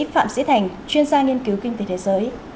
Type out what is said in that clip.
phạm sĩ thành chuyên gia nghiên cứu kinh tế thế giới